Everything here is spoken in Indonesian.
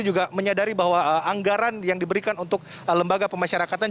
juga menyadari bahwa anggaran yang diberikan untuk lembaga pemasyarakatan